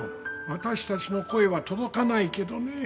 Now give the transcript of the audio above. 私たちの声は届かないけどね。